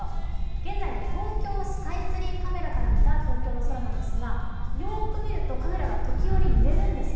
現在の東京スカイツリーカメラから見た東京の空なんですが、よく見るとカメラが時折、揺れるんですね。